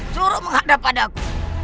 suruh menghadap padaku